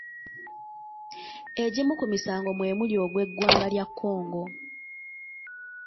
Egimu ku misango mwe muli ogw’eggwanga lya Congo.